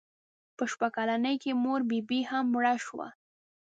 په شپږ کلنۍ کې یې مور بي بي هم مړه شوه.